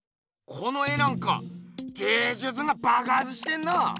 この絵なんか芸術がばくはつしてんな！